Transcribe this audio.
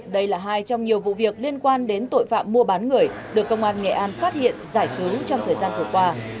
đây là hai trong nhiều vụ việc liên quan đến tội phạm mua bán người được công an nghệ an phát hiện giải cứu trong thời gian vừa qua